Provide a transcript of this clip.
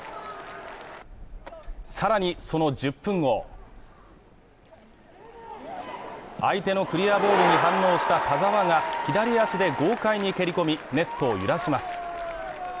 更に、その１０分後、相手のクリアボールに反応した田澤が左足で豪快に蹴り込みネットを揺らします。